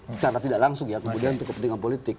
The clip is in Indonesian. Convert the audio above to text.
secara tidak langsung ya kemudian untuk kepentingan politik